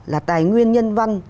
là tài nguyên nhân văn